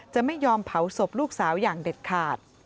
จะไม่ยอมเผาศพลูกสาวอย่างเด็ดขาด